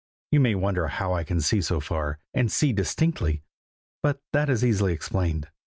You may wonder how I can see so far, and see distinctly, but that is easily explained.